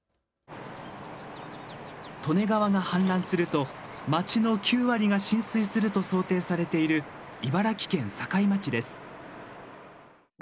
利根川が氾濫すると町の９割が浸水すると想定されている茨城県堺町です。